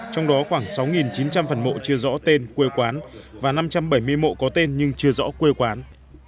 trong đó khoảng sáu chín trăm linh phần mộ chưa rõ tên quê quán và năm trăm bảy mươi mộ có tên nhưng chưa rõ quê quán